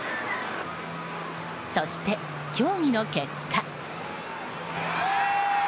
そして、協議の結果。